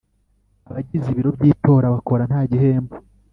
Abagize ibiro by’itora bakora nta gihembo